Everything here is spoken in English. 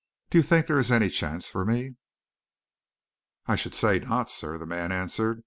Do you think there is any chance for me?" "I should say not, sir," the man answered.